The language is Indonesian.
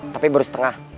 tapi baru setengah